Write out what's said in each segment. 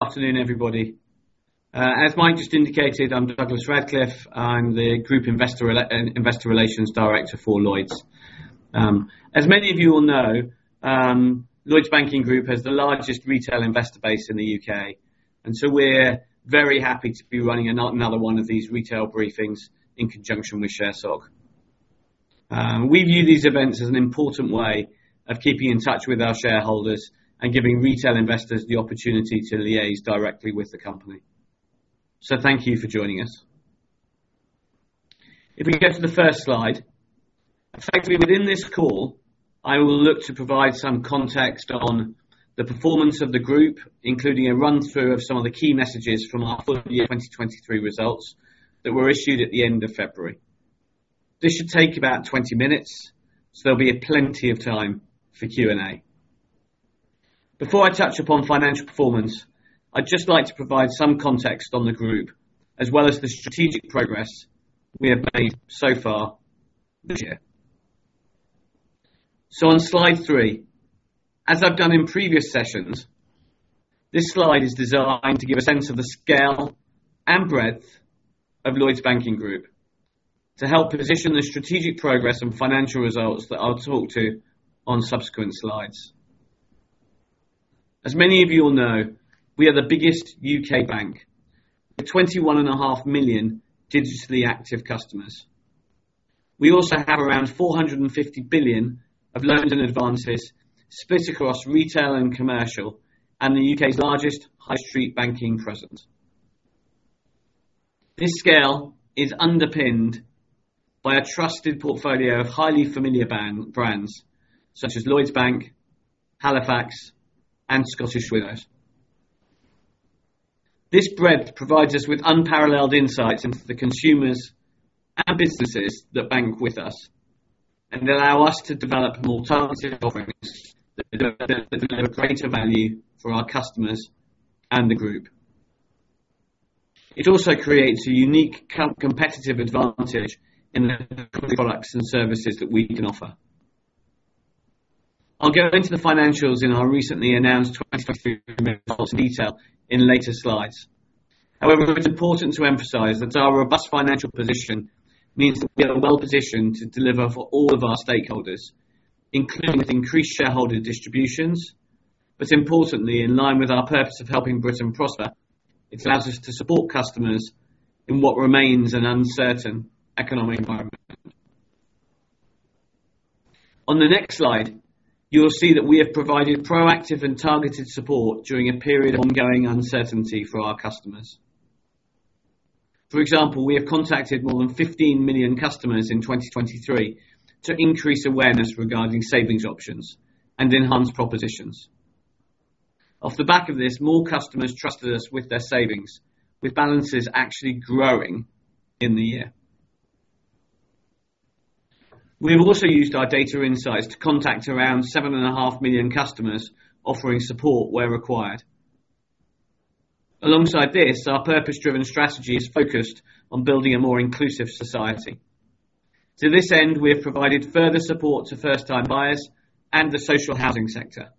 Afternoon, everybody. As Mike just indicated, I'm Douglas Radcliffe. I'm the Group Investor Relations Director for Lloyds. As many of you will know, Lloyds Banking Group has the largest retail investor base in the U.K., and so we're very happy to be running another one of these retail briefings in conjunction with ShareSoc. We view these events as an important way of keeping in touch with our shareholders and giving retail investors the opportunity to liaise directly with the company. So thank you for joining us. If we go to the first slide, effectively within this call, I will look to provide some context on the performance of the group, including a run-through of some of the key messages from our full year 2023 results that were issued at the end of February. This should take about 20 minutes, so there'll be plenty of time for Q&A. Before I touch upon financial performance, I'd just like to provide some context on the group as well as the strategic progress we have made so far this year. So on slide three, as I've done in previous sessions, this slide is designed to give a sense of the scale and breadth of Lloyds Banking Group to help position the strategic progress and financial results that I'll talk to on subsequent slides. As many of you will know, we are the biggest U.K. bank with 21.5 million digitally active customers. We also have around 450 billion of loans and advances split across retail and commercial and the U.K.'s largest high-street banking presence. This scale is underpinned by a trusted portfolio of highly familiar bank brands such as Lloyds Bank, Halifax, and Scottish Widows. This breadth provides us with unparalleled insights into the consumers and businesses that bank with us and allow us to develop more targeted offerings that deliver greater value for our customers and the group. It also creates a unique competitive advantage in the products and services that we can offer. I'll go into the financials in our recently announced 2023 results in detail in later slides. However, it's important to emphasize that our robust financial position means that we are well positioned to deliver for all of our stakeholders, including with increased shareholder distributions. But importantly, in line with our purpose of helping Britain prosper, it allows us to support customers in what remains an uncertain economic environment. On the next slide, you will see that we have provided proactive and targeted support during a period of ongoing uncertainty for our customers. For example, we have contacted more than 15 million customers in 2023 to increase awareness regarding savings options and enhance propositions. Off the back of this, more customers trusted us with their savings, with balances actually growing in the year. We have also used our data insights to contact around 7.5 million customers offering support where required. Alongside this, our purpose-driven strategy is focused on building a more inclusive society. To this end, we have provided further support to first-time buyers and the social housing sector.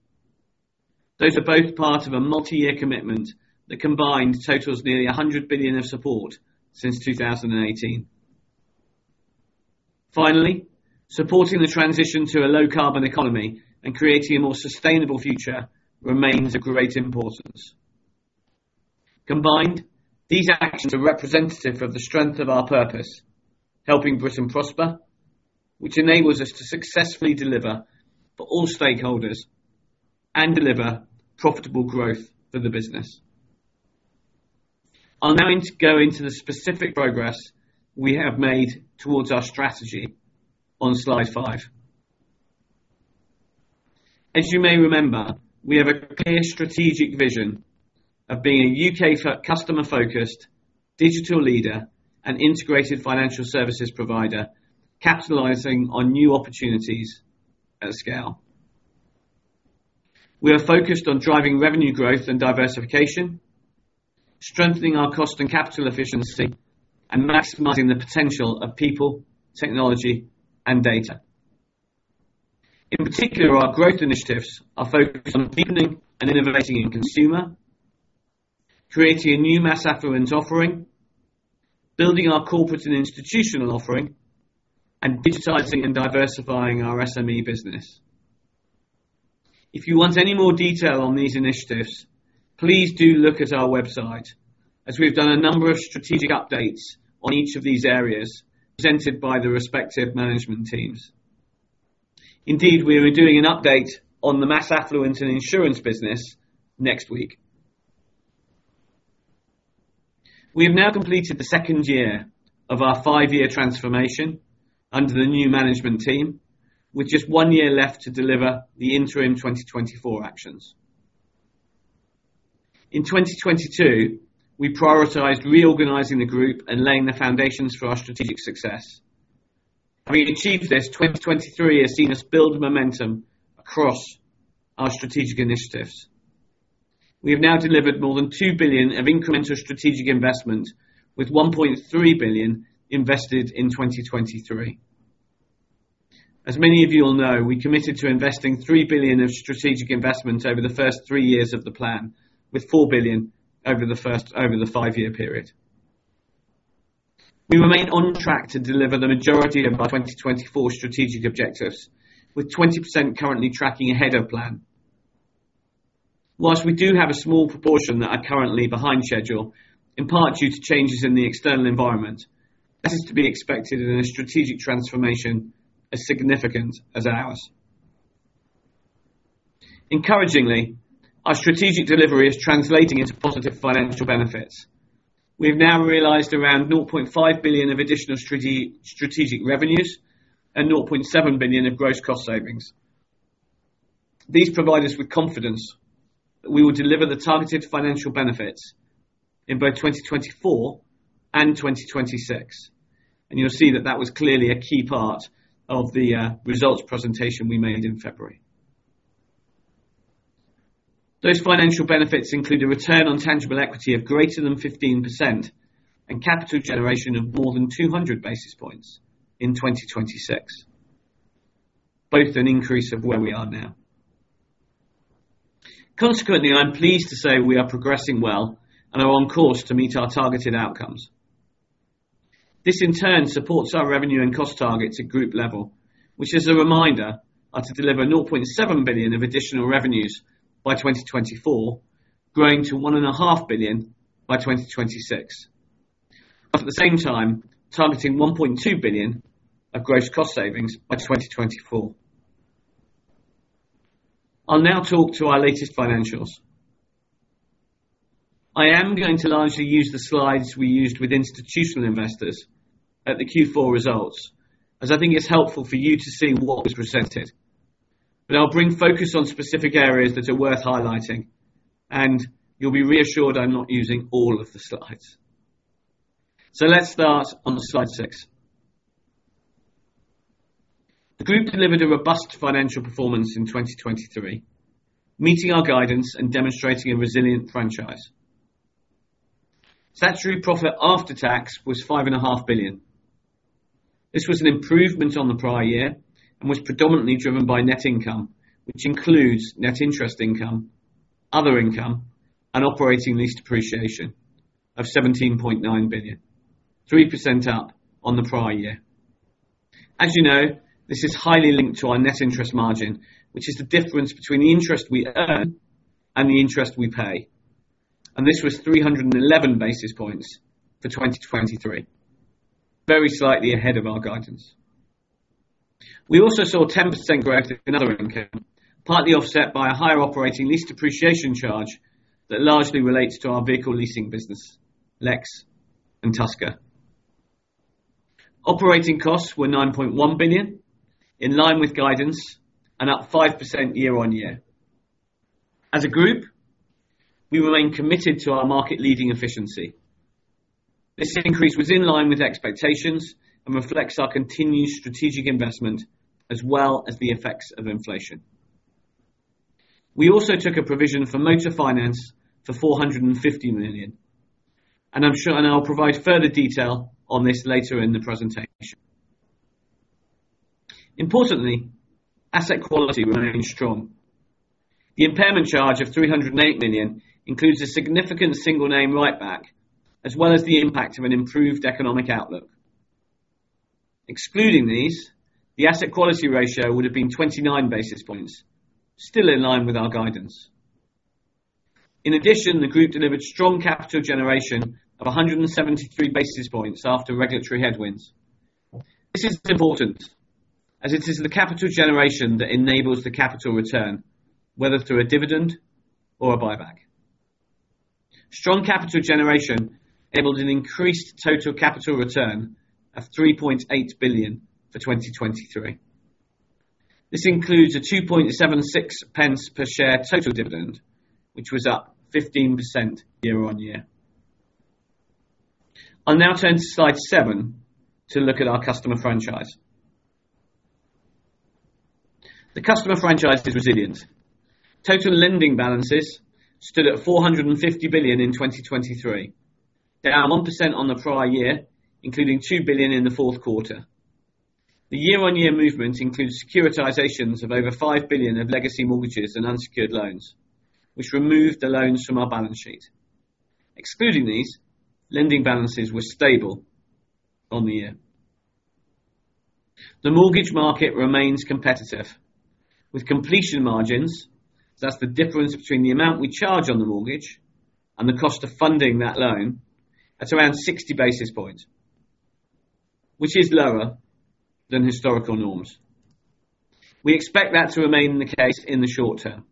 Those are both part of a multi-year commitment that combined totals nearly 100 billion of support since 2018. Finally, supporting the transition to a low-carbon economy and creating a more sustainable future remains of great importance. Combined, these actions are representative of the strength of our purpose, helping Britain prosper, which enables us to successfully deliver for all stakeholders and deliver profitable growth for the business. I'll now go into the specific progress we have made towards our strategy on slide five. As you may remember, we have a clear strategic vision of being a U.K.-focused, customer-focused, digital leader, and integrated financial services provider capitalizing on new opportunities at scale. We are focused on driving revenue growth and diversification, strengthening our cost and capital efficiency, and maximizing the potential of people, technology, and data. In particular, our growth initiatives are focused on deepening and innovating in consumer, creating a new Mass Affluent offering, building our corporate and institutional offering, and digitizing and diversifying our SME business. If you want any more detail on these initiatives, please do look at our website, as we've done a number of strategic updates on each of these areas presented by the respective management teams. Indeed, we are doing an update on the Mass Affluent and insurance business next week. We have now completed the second year of our five-year transformation under the new management team, with just one year left to deliver the interim 2024 actions. In 2022, we prioritized reorganizing the group and laying the foundations for our strategic success. Having achieved this, 2023 has seen us build momentum across our strategic initiatives. We have now delivered more than 2 billion of incremental strategic investment, with 1.3 billion invested in 2023. As many of you will know, we committed to investing 3 billion of strategic investment over the first three years of the plan, with 4 billion over the first five-year period. We remain on track to deliver the majority of our 2024 strategic objectives, with 20% currently tracking ahead of plan. Whilst we do have a small proportion that are currently behind schedule, in part due to changes in the external environment, this is to be expected in a strategic transformation as significant as ours. Encouragingly, our strategic delivery is translating into positive financial benefits. We have now realized around 0.5 billion of additional strategic revenues and 0.7 billion of gross cost savings. These provide us with confidence that we will deliver the targeted financial benefits in both 2024 and 2026, and you'll see that that was clearly a key part of the results presentation we made in February. Those financial benefits include a return on tangible equity of greater than 15% and capital generation of more than 200 basis points in 2026, both an increase of where we are now. Consequently, I'm pleased to say we are progressing well and are on course to meet our targeted outcomes. This, in turn, supports our revenue and cost targets at group level, which is a reminder to deliver 0.7 billion of additional revenues by 2024, growing to 1.5 billion by 2026, while at the same time targeting 1.2 billion of gross cost savings by 2024. I'll now talk to our latest financials. I am going to largely use the slides we used with institutional investors at the Q4 results, as I think it's helpful for you to see what was presented. But I'll bring focus on specific areas that are worth highlighting, and you'll be reassured I'm not using all of the slides. So let's start on slide six. The group delivered a robust financial performance in 2023, meeting our guidance and demonstrating a resilient franchise. Statutory Profit after tax was 5.5 billion. This was an improvement on the prior year and was predominantly driven by net income, which includes net interest income, other income, and operating lease depreciation of 17.9 billion, 3% up on the prior year. As you know, this is highly linked to our net interest margin, which is the difference between the interest we earn and the interest we pay, and this was 311 basis points for 2023, very slightly ahead of our guidance. We also saw 10% growth in other income, partly offset by a higher operating lease depreciation charge that largely relates to our Vehicle Leasing Business, Lex, and Tusker. Operating costs were 9.1 billion, in line with guidance, and up 5% year-on-year. As a group, we remain committed to our market-leading efficiency. This increase was in line with expectations and reflects our continued strategic investment as well as the effects of inflation. We also took a provision for motor finance for 450 million, and I'm sure I'll provide further detail on this later in the presentation. Importantly, asset quality remained strong. The impairment charge of 308 million includes a significant single-name writeback as well as the impact of an improved economic outlook. Excluding these, the asset quality ratio would have been 29 basis points, still in line with our guidance. In addition, the group delivered strong capital generation of 173 basis points after regulatory headwinds. This is important, as it is the capital generation that enables the capital return, whether through a dividend or a buyback. Strong capital generation enabled an increased total capital return of 3.8 billion for 2023. This includes a 2.76 pence per share total dividend, which was up 15% year-on-year. I'll now turn to slide seven to look at our customer franchise. The customer franchise is resilient. Total lending balances stood at 450 billion in 2023. They are 1% on the prior year, including 2 billion in the fourth quarter. The year-on-year movement includes securitizations of over 5 billion of legacy mortgages and unsecured loans, which removed the loans from our balance sheet. Excluding these, lending balances were stable on the year. The mortgage market remains competitive, with completion margins that's the difference between the amount we charge on the mortgage and the cost of funding that loan at around 60 basis points, which is lower than historical norms. We expect that to remain the case in the short term.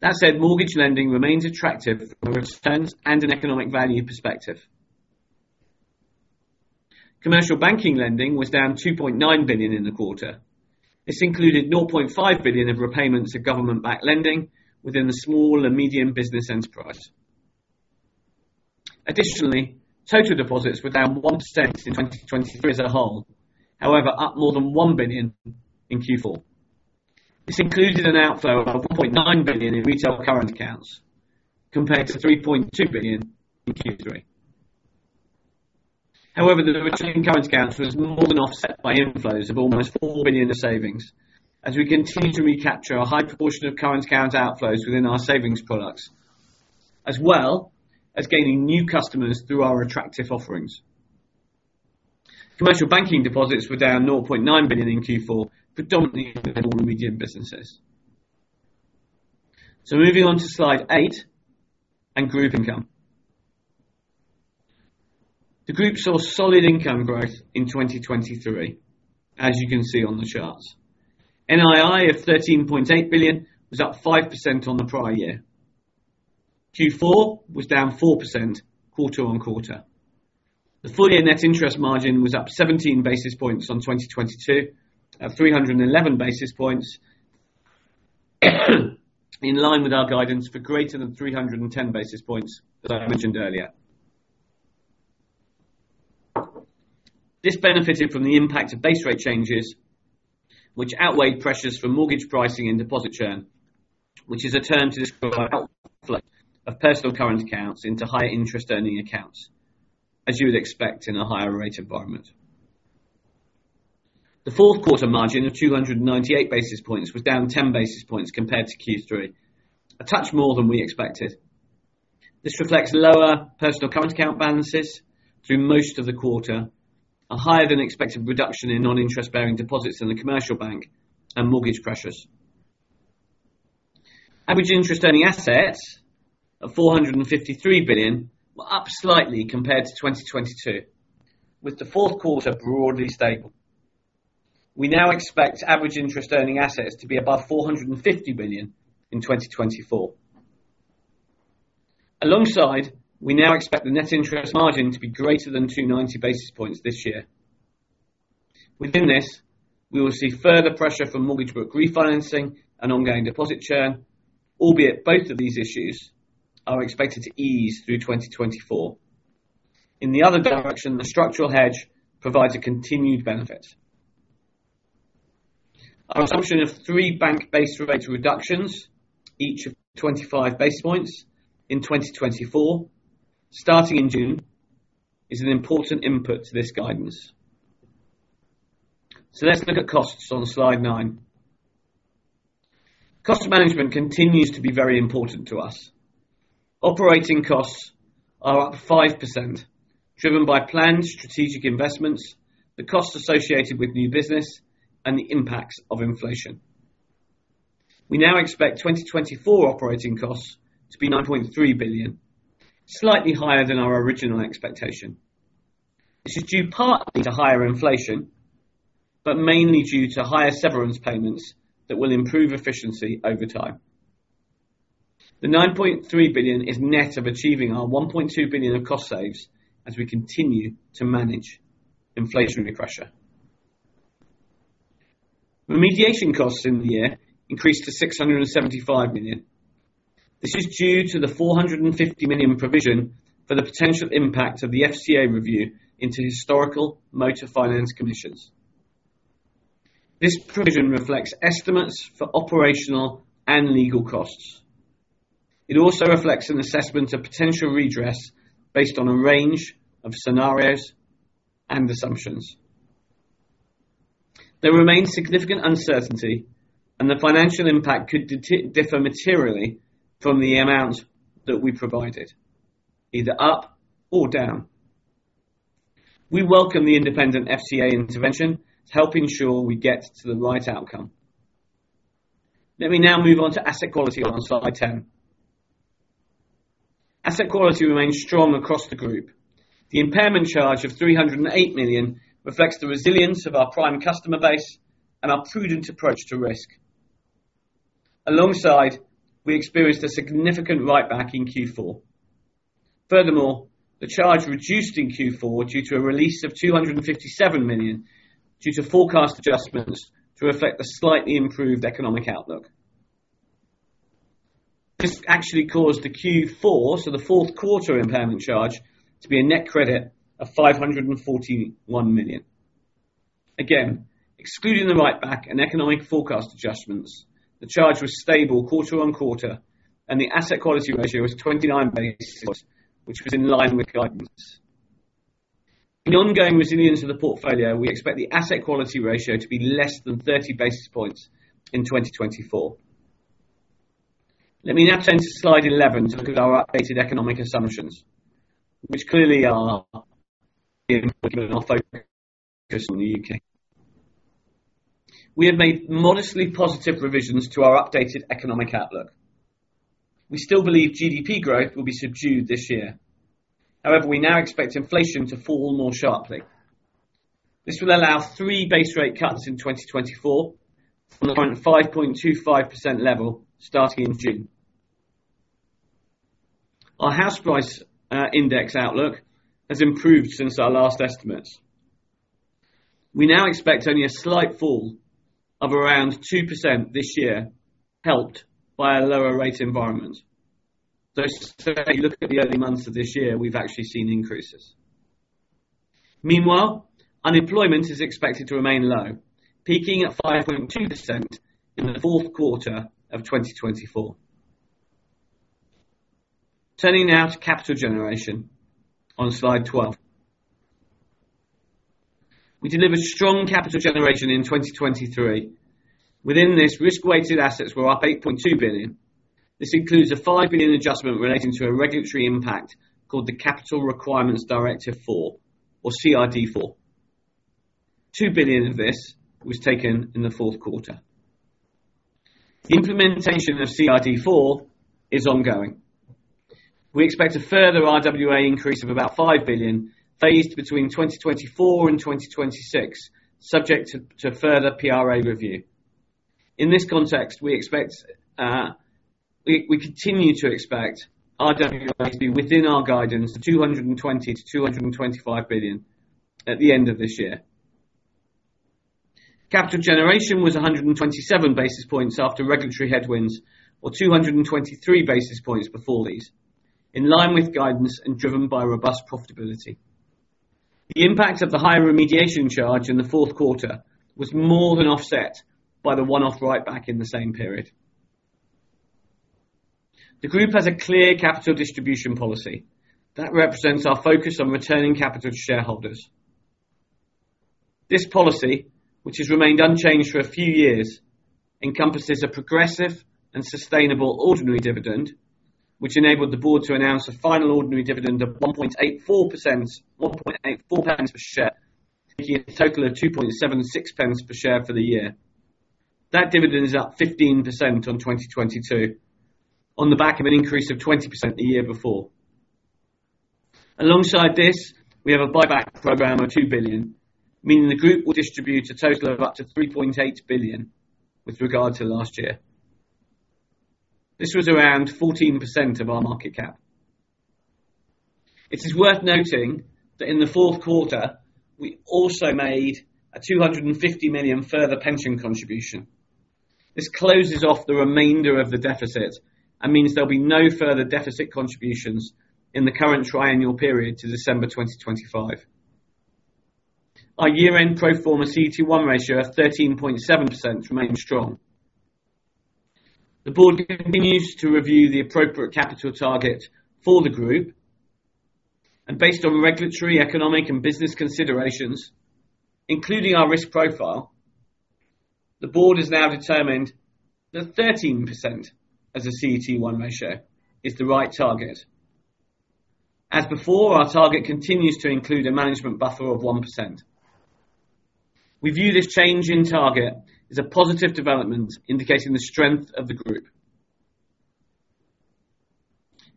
That said, mortgage lending remains attractive from a returns and an economic value perspective. Commercial banking lending was down 2.9 billion in the quarter. This included 0.5 billion of repayments of government-backed lending within the small and medium business enterprise. Additionally, total deposits were down 1% in 2023 as a whole, however up more than 1 billion in Q4. This included an outflow of 1.9 billion in retail current accounts compared to 3.2 billion in Q3. However, the return in current accounts was more than offset by inflows of almost 4 billion of savings, as we continue to recapture a high proportion of current account outflows within our savings products, as well as gaining new customers through our attractive offerings. Commercial banking deposits were down 0.9 billion in Q4, predominantly in the small and medium businesses. Moving on to slide eight and group income. The group saw solid income growth in 2023, as you can see on the charts. NII of 13.8 billion was up 5% on the prior year. Q4 was down 4% quarter-on-quarter. The full-year net interest margin was up 17 basis points on 2022, at 311 basis points, in line with our guidance for greater than 310 basis points, as I mentioned earlier. This benefited from the impact of base rate changes, which outweighed pressures from mortgage pricing and deposit churn, which is a term to describe outflow of personal current accounts into higher interest-earning accounts, as you would expect in a higher rate environment. The fourth quarter margin of 298 basis points was down 10 basis points compared to Q3, a touch more than we expected. This reflects lower personal current account balances through most of the quarter, a higher-than-expected reduction in non-interest-bearing deposits in the commercial bank, and mortgage pressures. Average interest-earning assets of 453 billion were up slightly compared to 2022, with the fourth quarter broadly stable. We now expect average interest-earning assets to be above 450 billion in 2024. Alongside, we now expect the net interest margin to be greater than 290 basis points this year. Within this, we will see further pressure from mortgage book refinancing and ongoing deposit churn, albeit both of these issues are expected to ease through 2024. In the other direction, the structural hedge provides a continued benefit. Our assumption of three Bank Based Rate reductions, each of 25 basis points, in 2024, starting in June, is an important input to this guidance. So let's look at costs on slide nine. Cost management continues to be very important to us. Operating costs are up 5%, driven by planned strategic investments, the costs associated with new business, and the impacts of inflation. We now expect 2024 operating costs to be 9.3 billion, slightly higher than our original expectation. This is due partly to higher inflation, but mainly due to higher severance payments that will improve efficiency over time. The 9.3 billion is net of achieving our 1.2 billion of cost saves as we continue to manage inflationary pressure. Remediation costs in the year increased to 675 million. This is due to the 450 million provision for the potential impact of the FCA review into historical motor finance commissions. This provision reflects estimates for operational and legal costs. It also reflects an assessment of potential redress based on a range of scenarios and assumptions. There remains significant uncertainty, and the financial impact could differ materially from the amount that we provided, either up or down. We welcome the independent FCA intervention to help ensure we get to the right outcome. Let me now move on to asset quality on slide 10. Asset quality remains strong across the group. The impairment charge of 308 million reflects the resilience of our prime customer base and our prudent approach to risk. Alongside, we experienced a significant writeback in Q4. Furthermore, the charge reduced in Q4 due to a release of 257 million due to forecast adjustments to reflect the slightly improved economic outlook. This actually caused the Q4, so the fourth quarter impairment charge, to be a net credit of 541 million. Again, excluding the writeback and economic forecast adjustments, the charge was stable quarter on quarter, and the asset quality ratio was 29 basis points, which was in line with guidance. In ongoing resilience of the portfolio, we expect the asset quality ratio to be less than 30 basis points in 2024. Let me now turn to slide eleven to look at our updated economic assumptions, which clearly are focused on the UK. We have made modestly positive revisions to our updated economic outlook. We still believe GDP growth will be subdued this year. However, we now expect inflation to fall more sharply. This will allow three Bank Base Rate cuts in 2024 from the current 5.25% level starting in June. Our house price index outlook has improved since our last estimates. We now expect only a slight fall of around 2% this year, helped by a lower rate environment. Though, if you look at the early months of this year, we've actually seen increases. Meanwhile, unemployment is expected to remain low, peaking at 5.2% in the fourth quarter of 2024. Turning now to capital generation on slide 12. We delivered strong capital generation in 2023. Within this, risk-weighted assets were up 8.2 billion. This includes a 5 billion adjustment relating to a regulatory impact called the Capital Requirements Directive IV, or CRD IV. 2 billion of this was taken in the fourth quarter. The implementation of CRD IV is ongoing. We expect a further RWA increase of about 5 billion, phased between 2024 and 2026, subject to further PRA review. In this context, we continue to expect RWAs to be within our guidance, 220 billion-225 billion, at the end of this year. Capital generation was 127 basis points after regulatory headwinds, or 223 basis points before these, in line with guidance and driven by robust profitability. The impact of the higher remediation charge in the fourth quarter was more than offset by the one-off writeback in the same period. The group has a clear capital distribution policy. That represents our focus on returning capital to shareholders. This policy, which has remained unchanged for a few years, encompasses a progressive and sustainable ordinary dividend, which enabled the board to announce a final ordinary dividend of 1.84 pence per share, making it a total of 2.76 pence per share for the year. That dividend is up 15% on 2022, on the back of an increase of 20% the year before. Alongside this, we have a buyback program of 2 billion, meaning the group will distribute a total of up to 3.8 billion with regard to last year. This was around 14% of our market cap. It is worth noting that in the fourth quarter, we also made a 250 million further pension contribution. This closes off the remainder of the deficit and means there'll be no further deficit contributions in the current triennial period to December 2025. Our year-end pro forma CET1 ratio of 13.7% remains strong. The board continues to review the appropriate capital target for the group, and based on regulatory, economic, and business considerations, including our risk profile, the board has now determined that 13% as a CET1 ratio is the right target. As before, our target continues to include a management buffer of 1%. We view this change in target as a positive development indicating the strength of the group.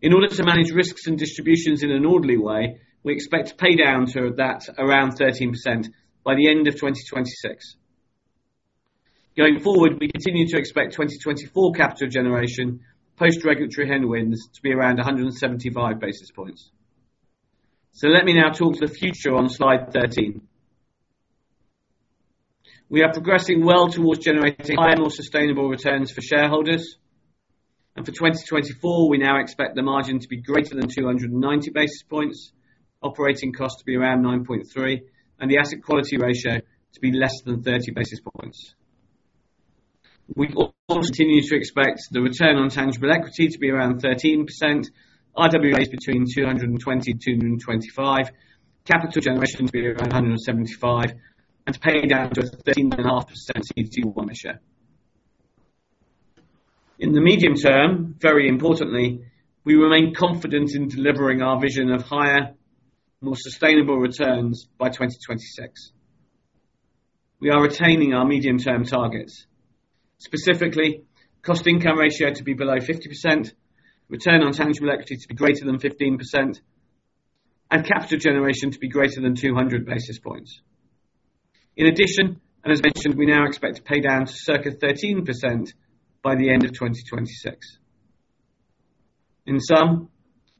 In order to manage risks and distributions in an orderly way, we expect CET1 to adapt around 13% by the end of 2026. Going forward, we continue to expect 2024 capital generation, post-regulatory headwinds, to be around 175 basis points. So let me now talk to the future on slide 13. We are progressing well towards generating higher and more sustainable returns for shareholders, and for 2024, we now expect the margin to be greater than 290 basis points, operating cost to be around 9.3, and the asset quality ratio to be less than 30 basis points. We also continue to expect the return on tangible equity to be around 13%, RWAs between 220-225, capital generation to be around 175, and paydown to a 13.5% CET1 ratio. In the medium term, very importantly, we remain confident in delivering our vision of higher, more sustainable returns by 2026. We are retaining our medium-term targets, specifically cost-income ratio to be below 50%, return on tangible equity to be greater than 15%, and capital generation to be greater than 200 basis points. In addition, and as mentioned, we now expect paydown to circa 13% by the end of 2026. In sum,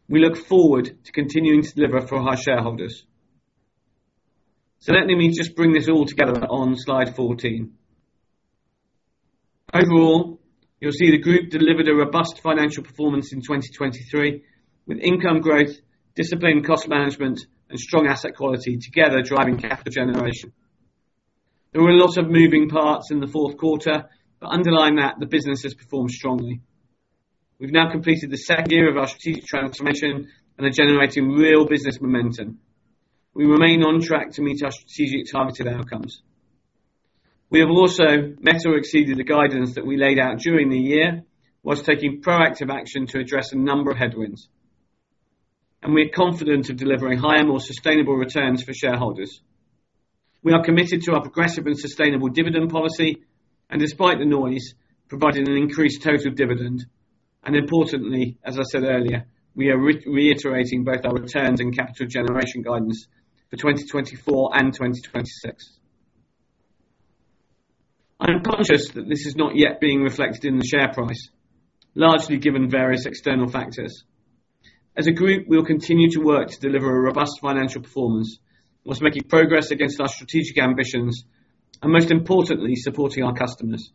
we look forward to continuing to deliver for our shareholders. So let me just bring this all together on slide 14. Overall, you'll see the group delivered a robust financial performance in 2023, with income growth, disciplined cost management, and strong asset quality together driving capital generation. There were a lot of moving parts in the fourth quarter, but underlying that, the business has performed strongly. We've now completed the second year of our strategic transformation and are generating real business momentum. We remain on track to meet our strategic targeted outcomes. We have also met or exceeded the guidance that we laid out during the year, while taking proactive action to address a number of headwinds, and we are confident of delivering higher, more sustainable returns for shareholders. We are committed to our progressive and sustainable dividend policy and, despite the noise, providing an increased total dividend. Importantly, as I said earlier, we are reiterating both our returns and capital generation guidance for 2024 and 2026. I am conscious that this is not yet being reflected in the share price, largely given various external factors. As a group, we will continue to work to deliver a robust financial performance, whilst making progress against our strategic ambitions and, most importantly, supporting our customers.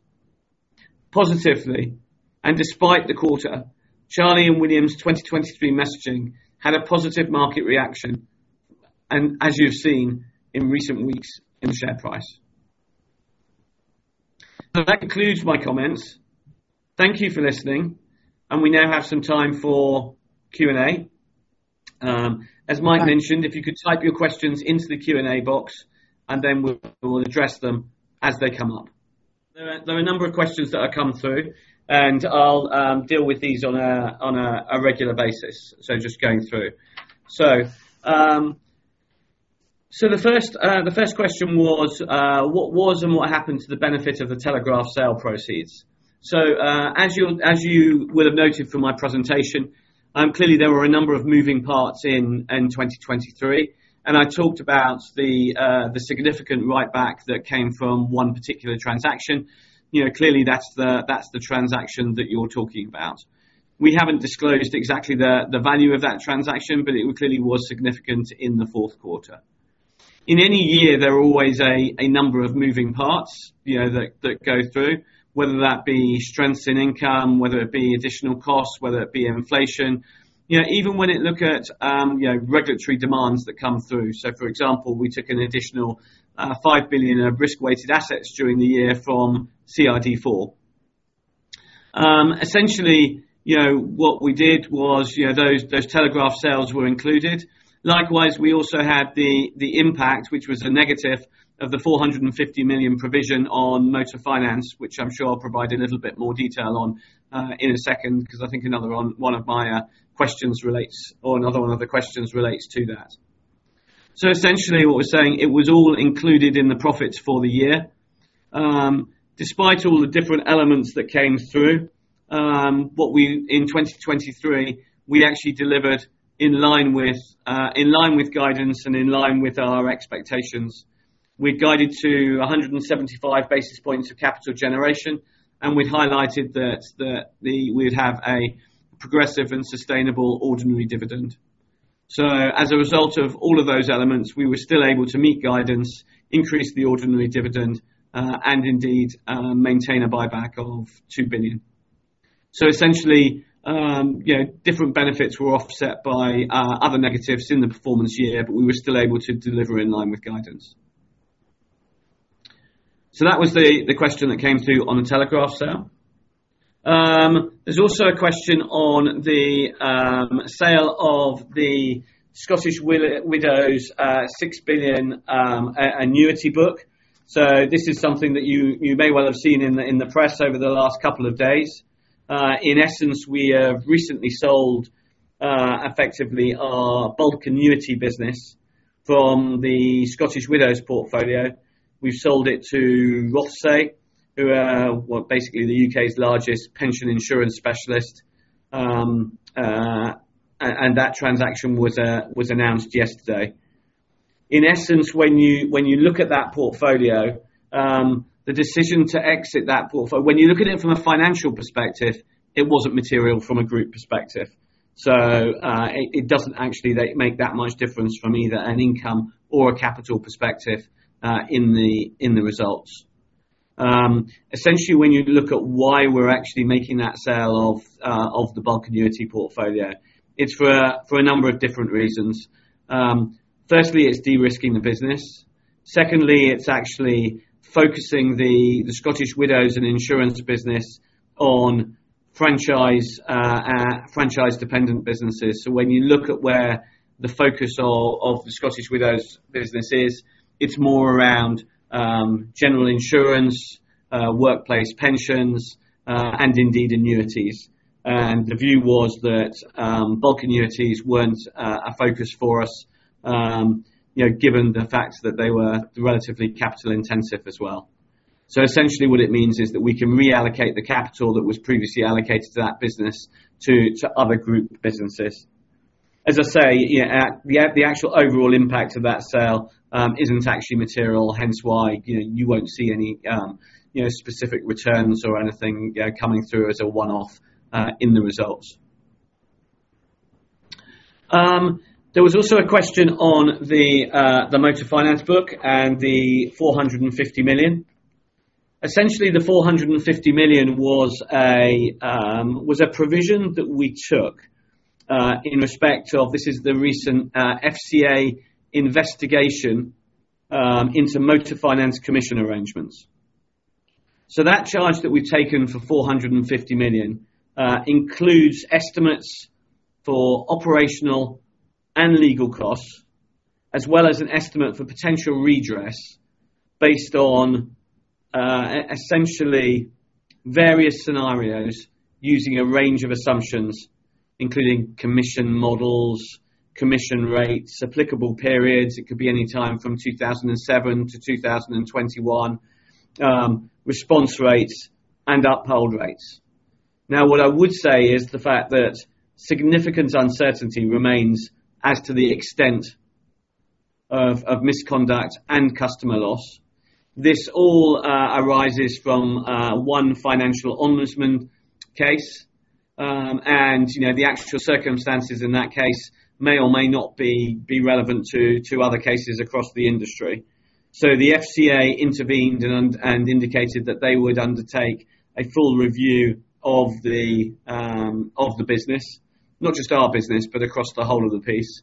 Positively, and despite the quarter, Charlie and William's 2023 messaging had a positive market reaction, as you've seen, in recent weeks in the share price. That concludes my comments. Thank you for listening, and we now have some time for Q&A. As Mike mentioned, if you could type your questions into the Q&A box, and then we will address them as they come up. There are a number of questions that have come through, and I'll deal with these on a regular basis, so just going through. So the first question was, what was and what happened to the benefit of the Telegraph sale proceeds? So as you will have noted from my presentation, clearly there were a number of moving parts in 2023, and I talked about the significant writeback that came from one particular transaction. Clearly, that's the transaction that you're talking about. We haven't disclosed exactly the value of that transaction, but it clearly was significant in the fourth quarter. In any year, there are always a number of moving parts that go through, whether that be strengths in income, whether it be additional costs, whether it be inflation. Even when it looked at regulatory demands that come through, so for example, we took an additional 5 billion of risk-weighted assets during the year from CRD IV. Essentially, what we did was those Telegraph sales were included. Likewise, we also had the impact, which was a negative, of the 450 million provision on motor finance, which I'm sure I'll provide a little bit more detail on in a second because I think another one of my questions relates or another one of the questions relates to that. So essentially, what we're saying, it was all included in the profits for the year. Despite all the different elements that came through, in 2023, we actually delivered in line with guidance and in line with our expectations. We'd guided to 175 basis points of capital generation, and we'd highlighted that we'd have a progressive and sustainable ordinary dividend. So as a result of all of those elements, we were still able to meet guidance, increase the ordinary dividend, and indeed maintain a buyback of 2 billion. So essentially, different benefits were offset by other negatives in the performance year, but we were still able to deliver in line with guidance. So that was the question that came through on the Telegraph sale. There's also a question on the sale of the Scottish Widows' 6 billion annuity book. So this is something that you may well have seen in the press over the last couple of days. In essence, we have recently sold, effectively, our bulk annuity business from the Scottish Widows portfolio. We've sold it to Rothesay, who are basically the U.K.'s largest pension insurance specialist, and that transaction was announced yesterday. In essence, when you look at that portfolio, the decision to exit that portfolio when you look at it from a financial perspective, it wasn't material from a group perspective. So it doesn't actually make that much difference from either an income or a capital perspective in the results. Essentially, when you look at why we're actually making that sale of the bulk annuity portfolio, it's for a number of different reasons. Firstly, it's de-risking the business. Secondly, it's actually focusing the Scottish Widows' insurance business on franchise-dependent businesses. So when you look at where the focus of the Scottish Widows' business is, it's more around general insurance, workplace pensions, and indeed annuities. And the view was that bulk annuities weren't a focus for us, given the fact that they were relatively capital-intensive as well. So essentially, what it means is that we can reallocate the capital that was previously allocated to that business to other group businesses. As I say, the actual overall impact of that sale isn't actually material, hence why you won't see any specific returns or anything coming through as a one-off in the results. There was also a question on the motor finance book and the 450 million. Essentially, the 450 million was a provision that we took in respect of this is the recent FCA investigation into motor finance commission arrangements. So that charge that we've taken for 450 million includes estimates for operational and legal costs, as well as an estimate for potential redress based on, essentially, various scenarios using a range of assumptions, including commission models, commission rates, applicable periods - it could be anytime from 2007 to 2021 - response rates and uphold rates. Now, what I would say is the fact that significant uncertainty remains as to the extent of misconduct and customer loss. This all arises from one Financial Ombudsman case, and the actual circumstances in that case may or may not be relevant to other cases across the industry. So the FCA intervened and indicated that they would undertake a full review of the business, not just our business, but across the whole of the piece.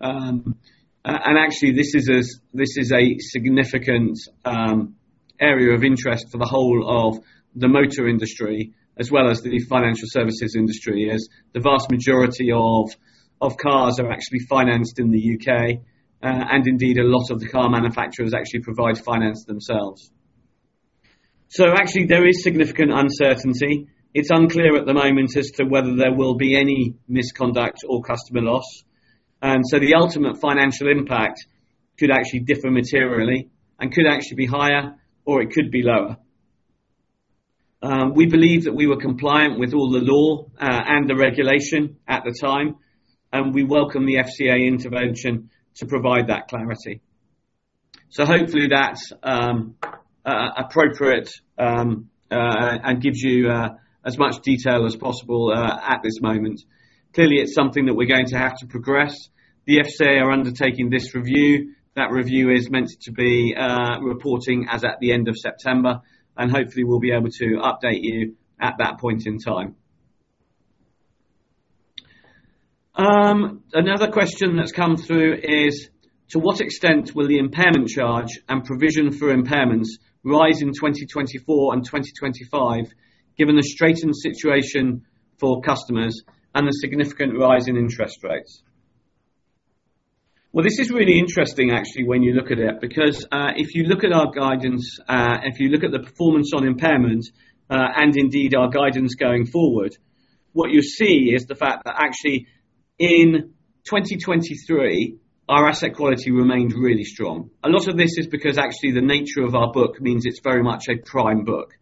And actually, this is a significant area of interest for the whole of the motor industry as well as the financial services industry, as the vast majority of cars are actually financed in the U.K., and indeed a lot of the car manufacturers actually provide finance themselves. So actually, there is significant uncertainty. It's unclear at the moment as to whether there will be any misconduct or customer loss. So the ultimate financial impact could actually differ materially and could actually be higher, or it could be lower. We believe that we were compliant with all the law and the regulation at the time, and we welcome the FCA intervention to provide that clarity. Hopefully, that's appropriate and gives you as much detail as possible at this moment. Clearly, it's something that we're going to have to progress. The FCA are undertaking this review. That review is meant to be reporting as at the end of September, and hopefully, we'll be able to update you at that point in time. Another question that's come through is, to what extent will the impairment charge and provision for impairments rise in 2024 and 2025, given the straightened situation for customers and the significant rise in interest rates? Well, this is really interesting, actually, when you look at it because if you look at our guidance, if you look at the performance on impairment and indeed our guidance going forward, what you'll see is the fact that actually, in 2023, our asset quality remained really strong. A lot of this is because actually the nature of our book means it's very much a prime book.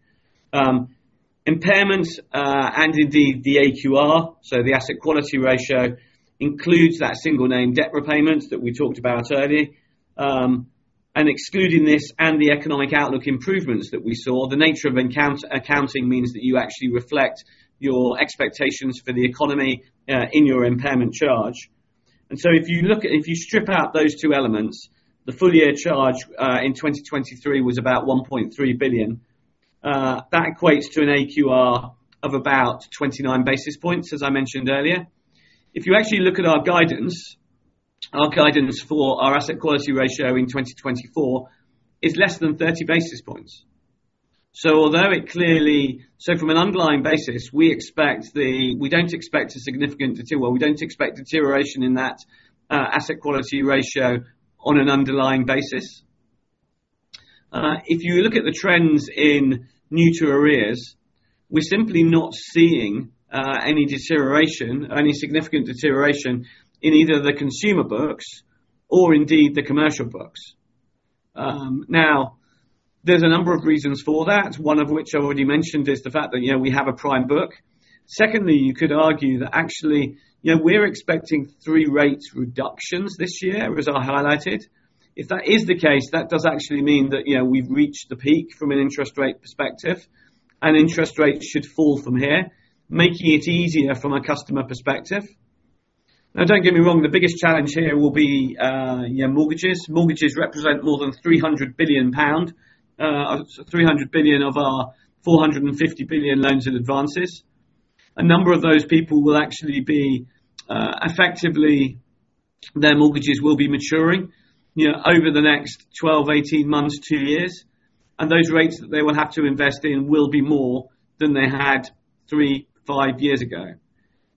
Impairments and indeed the AQR, so the asset quality ratio, includes that single name, debt repayments, that we talked about earlier. And excluding this and the economic outlook improvements that we saw, the nature of accounting means that you actually reflect your expectations for the economy in your impairment charge. And so if you strip out those two elements, the full-year charge in 2023 was about 1.3 billion. That equates to an AQR of about 29 basis points, as I mentioned earlier. If you actually look at our guidance, our guidance for our asset quality ratio in 2024 is less than 30 basis points. So although it clearly from an underlying basis, we expect we don't expect a significant well, we don't expect deterioration in that asset quality ratio on an underlying basis. If you look at the trends in new to arrears, we're simply not seeing any significant deterioration in either the consumer books or indeed the commercial books. Now, there's a number of reasons for that, one of which I already mentioned is the fact that we have a prime book. Secondly, you could argue that actually we're expecting three rate reductions this year, as I highlighted. If that is the case, that does actually mean that we've reached the peak from an interest rate perspective, and interest rates should fall from here, making it easier from a customer perspective. Now, don't get me wrong, the biggest challenge here will be mortgages. Mortgages represent more than 300 billion pound of our 450 billion loans and advances. A number of those people will actually be effectively, their mortgages will be maturing over the next 12, 18 months, two years, and those rates that they will have to invest in will be more than they had three, five years ago.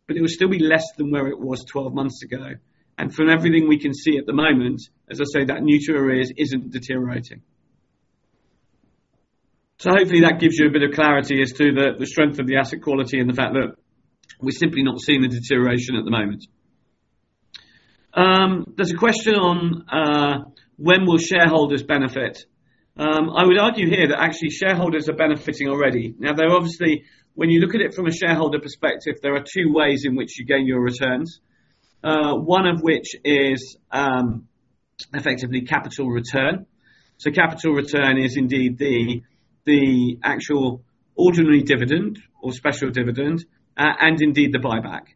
But it will still be less than where it was 12 months ago. And from everything we can see at the moment, as I say, that new to arrears isn't deteriorating. Hopefully, that gives you a bit of clarity as to the strength of the asset quality and the fact that we're simply not seeing the deterioration at the moment. There's a question on when will shareholders benefit? I would argue here that actually shareholders are benefiting already. Now, when you look at it from a shareholder perspective, there are two ways in which you gain your returns, one of which is effectively capital return. Capital return is indeed the actual ordinary dividend or special dividend and indeed the buyback.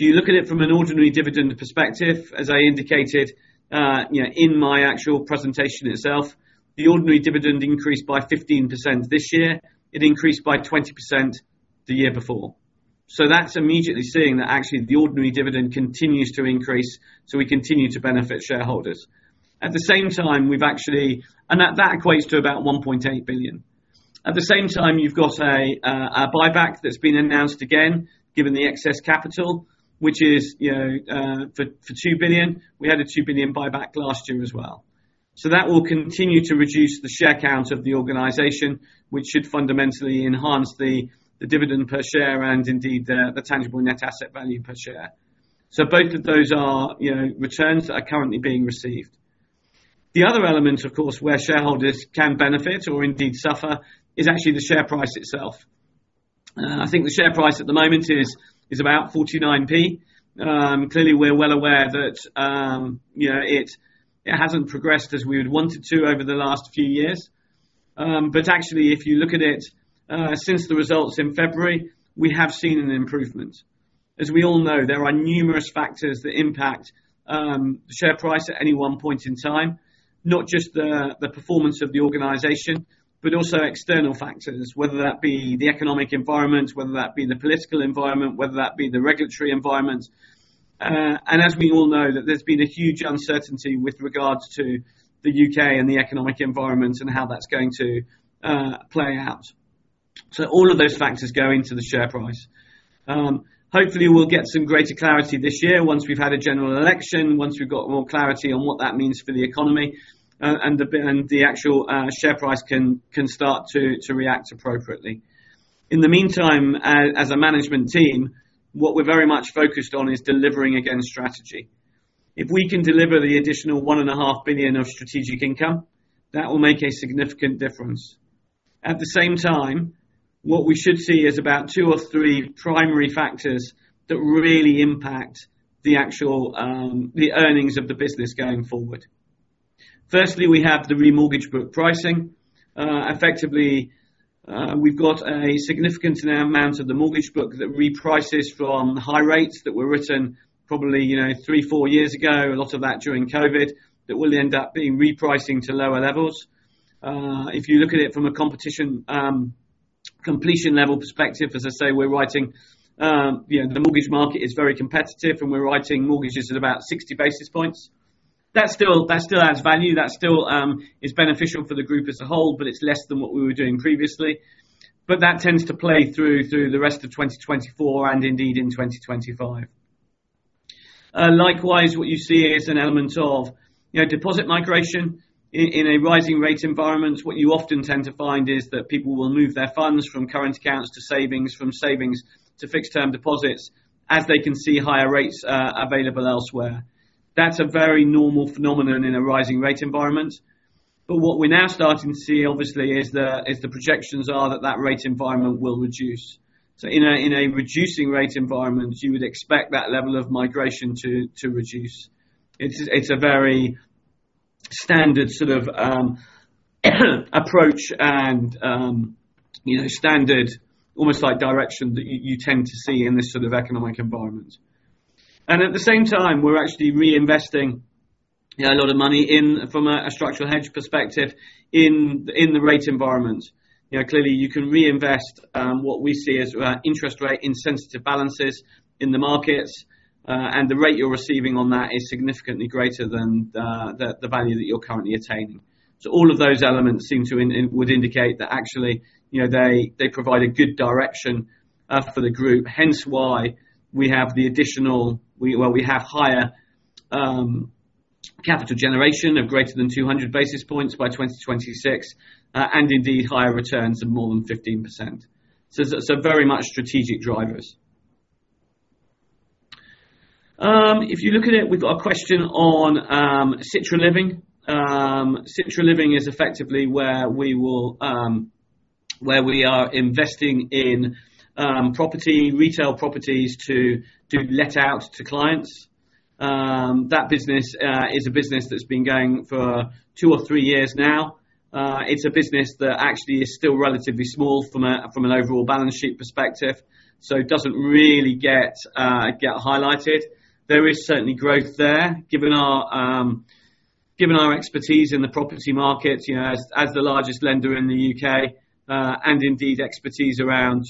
You look at it from an ordinary dividend perspective, as I indicated in my actual presentation itself. The ordinary dividend increased by 15% this year. It increased by 20% the year before. That's immediately seeing that actually the ordinary dividend continues to increase, so we continue to benefit shareholders. At the same time, we've actually and that equates to about 1.8 billion. At the same time, you've got a buyback that's been announced again, given the excess capital, which is for 2 billion. We had a 2 billion buyback last year as well. So that will continue to reduce the share count of the organization, which should fundamentally enhance the dividend per share and indeed the tangible net asset value per share. So both of those are returns that are currently being received. The other element, of course, where shareholders can benefit or indeed suffer is actually the share price itself. I think the share price at the moment is about 49p. Clearly, we're well aware that it hasn't progressed as we would want it to over the last few years. But actually, if you look at it since the results in February, we have seen an improvement. As we all know, there are numerous factors that impact the share price at any one point in time, not just the performance of the organization, but also external factors, whether that be the economic environment, whether that be the political environment, whether that be the regulatory environment. And as we all know, that there's been a huge uncertainty with regards to the U.K. and the economic environment and how that's going to play out. So all of those factors go into the share price. Hopefully, we'll get some greater clarity this year once we've had a general election, once we've got more clarity on what that means for the economy, and the actual share price can start to react appropriately. In the meantime, as a management team, what we're very much focused on is delivering against strategy. If we can deliver the additional 1.5 billion of strategic income, that will make a significant difference. At the same time, what we should see is about two or three primary factors that really impact the earnings of the business going forward. Firstly, we have the remortgage book pricing. Effectively, we've got a significant amount of the mortgage book that reprices from high rates that were written probably three, four years ago, a lot of that during COVID, that will end up being repricing to lower levels. If you look at it from a competition completion level perspective, as I say, we're writing the mortgage market is very competitive, and we're writing mortgages at about 60 basis points. That still adds value. That still is beneficial for the group as a whole, but it's less than what we were doing previously. But that tends to play through the rest of 2024 and indeed in 2025. Likewise, what you see is an element of deposit migration. In a rising rate environment, what you often tend to find is that people will move their funds from current accounts to savings, from savings to fixed-term deposits, as they can see higher rates available elsewhere. That's a very normal phenomenon in a rising rate environment. But what we're now starting to see, obviously, is the projections are that that rate environment will reduce. So in a reducing rate environment, you would expect that level of migration to reduce. It's a very standard sort of approach and standard, almost like direction, that you tend to see in this sort of economic environment. And at the same time, we're actually reinvesting a lot of money from a structural hedge perspective in the rate environment. Clearly, you can reinvest what we see as interest rate insensitive balances in the markets, and the rate you're receiving on that is significantly greater than the value that you're currently attaining. So all of those elements seem to would indicate that actually they provide a good direction for the group, hence why we have the additional well, we have higher capital generation of greater than 200 basis points by 2026 and indeed higher returns of more than 15%. So very much strategic drivers. If you look at it, we've got a question on Citra Living. Citra Living is effectively where we are investing in retail properties to do let-out to clients. That business is a business that's been going for two or three years now. It's a business that actually is still relatively small from an overall balance sheet perspective, so it doesn't really get highlighted. There is certainly growth there. Given our expertise in the property market, as the largest lender in the U.K. and indeed expertise around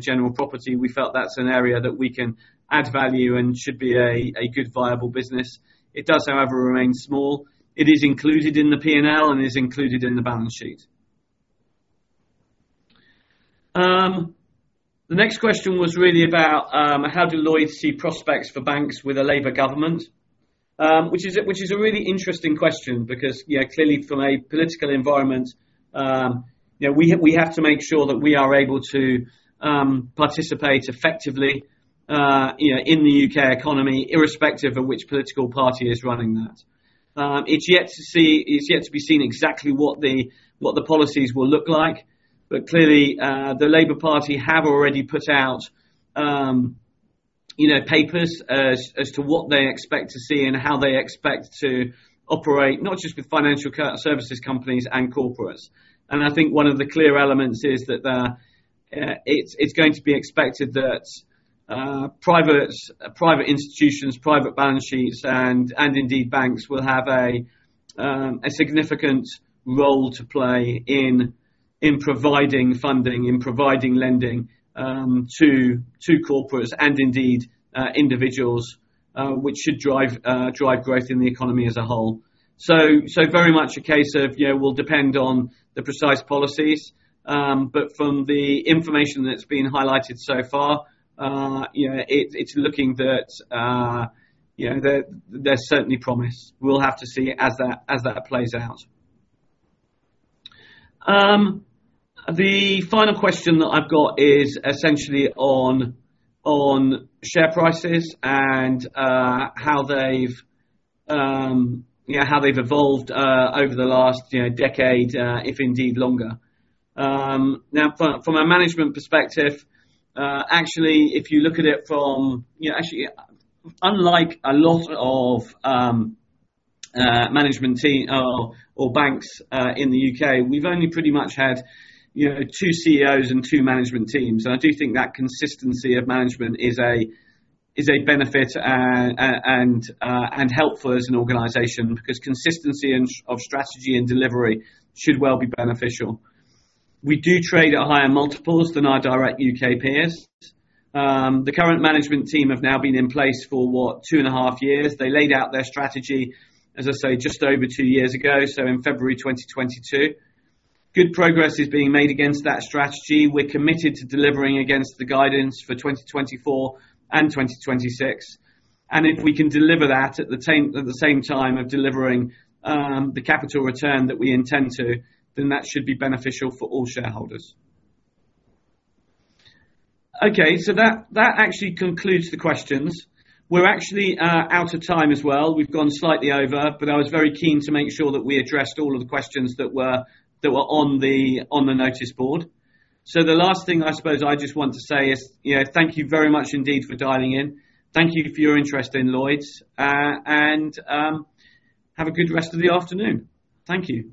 general property, we felt that's an area that we can add value and should be a good, viable business. It does, however, remain small. It is included in the P&L and is included in the balance sheet. The next question was really about how do Lloyds see prospects for banks with a Labour government, which is a really interesting question because clearly, from a political environment, we have to make sure that we are able to participate effectively in the U.K. economy irrespective of which political party is running that. It's yet to be seen exactly what the policies will look like, but clearly, the Labour Party have already put out papers as to what they expect to see and how they expect to operate, not just with financial services companies and corporates. I think one of the clear elements is that it's going to be expected that private institutions, private balance sheets, and indeed banks will have a significant role to play in providing funding, in providing lending to corporates and indeed individuals, which should drive growth in the economy as a whole. Very much a case of we'll depend on the precise policies, but from the information that's been highlighted so far, it's looking that there's certainly promise. We'll have to see as that plays out. The final question that I've got is essentially on share prices and how they've evolved over the last decade, if indeed longer. Now, from a management perspective, actually, if you look at it from, unlike a lot of management teams or banks in the U.K., we've only pretty much had two CEOs and two management teams. I do think that consistency of management is a benefit and help for us as an organization because consistency of strategy and delivery should well be beneficial. We do trade at higher multiples than our direct U.K. peers. The current management team have now been in place for, what, two and a half years. They laid out their strategy, as I say, just over two years ago, so in February 2022. Good progress is being made against that strategy. We're committed to delivering against the guidance for 2024 and 2026. If we can deliver that at the same time of delivering the capital return that we intend to, then that should be beneficial for all shareholders. Okay. That actually concludes the questions. We're actually out of time as well. We've gone slightly over, but I was very keen to make sure that we addressed all of the questions that were on the notice board. The last thing I suppose I just want to say is thank you very much indeed for dialing in. Thank you for your interest in Lloyds, and have a good rest of the afternoon. Thank you.